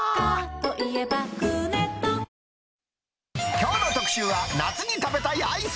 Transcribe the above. きょうの特集は、夏に食べたいアイス。